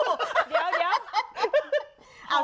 เดี๋ยว